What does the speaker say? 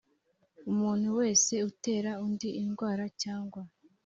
umuntu wese utera undi indwara cyangwa